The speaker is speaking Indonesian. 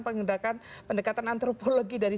pendekatan antropologi dari